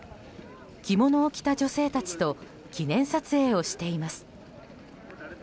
着物を着た女性たちと記念撮影をしています。